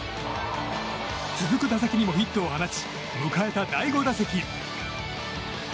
続く打席でもヒットを放ち迎えた第５打席。